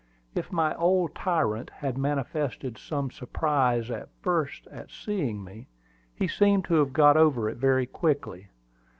If my old tyrant had manifested some surprise at first at seeing me, he seemed to have got over it very quickly.